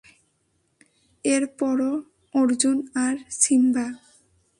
এরপরঃ অর্জুন আর সিম্বা!